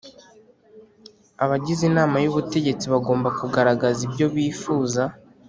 Abagize Inama y Ubutegetsi bagomba kugaragaza ibyo bifuza